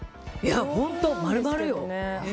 本当、丸々よ。